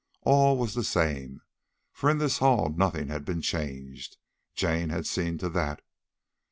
All was the same, for in this hall nothing had been changed—Jane had seen to that.